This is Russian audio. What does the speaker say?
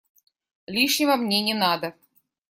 Лишнего мне не надо.